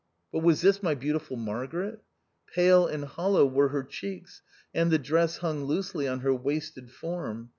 But was this my beautiful Margaret ? Pale and hollow were her cheeks, and the dress hung loosely on her wasted form.